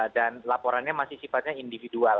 dan laporannya masih sifatnya individual